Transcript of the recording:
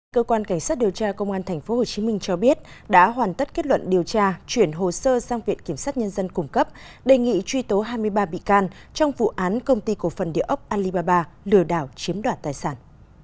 cơ quan cảnh sát điều tra công an tp hcm cho biết đã hoàn tất kết luận điều tra chuyển hồ sơ sang viện kiểm sát nhân dân cung cấp đề nghị truy tố hai mươi ba bị can trong vụ án công ty cổ phần địa ốc alibaba lừa đảo chiếm đoạt tài sản